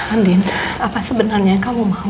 andin apa sebenarnya yang kamu mau